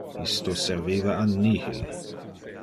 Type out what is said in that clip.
Isto serviva a nihil.